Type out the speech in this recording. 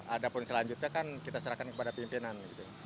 adapun selanjutnya kan kita serahkan kepada pimpinan